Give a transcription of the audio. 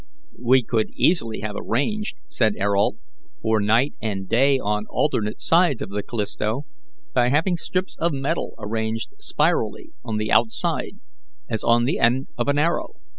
"We could easily have arranged," said Ayrault, for night and day on alternate sides of the Callisto by having strips of metal arranged spirally on the outside as on the end of an arrow.